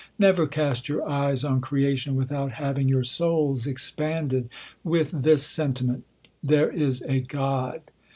Never cast your eye on creation without having your souls expanded wit, this sentiment, " There is a God."